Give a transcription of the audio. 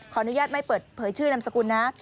อนุญาตไม่เปิดเผยชื่อนามสกุลนะ